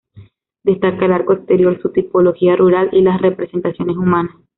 Destaca el arco exterior, su tipología rural y las representaciones humanas.